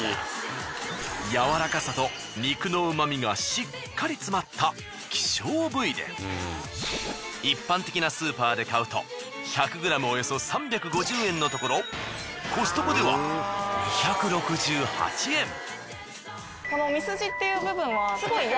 やわらかさと肉のうまみがしっかり詰まった希少部位で一般的なスーパーで買うと１００ｇおよそ３５０円のところコストコでは２６８円。